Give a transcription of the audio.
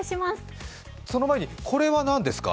その前に、これは何ですか？